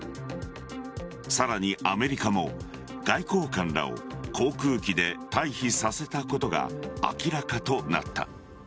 さらにアメリカも外交官らを航空機で退避させたことが明らかとなった。